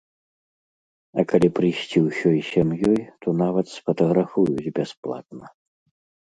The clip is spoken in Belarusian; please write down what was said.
А калі прыйсці ўсёй сям'ёй, то нават сфатаграфуюць бясплатна.